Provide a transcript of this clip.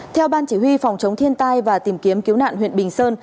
theo ban chỉ huy phòng chống thiên tai và tìm kiếm cứu nạn huyện bình sơn